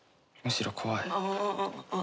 むしろ怖い。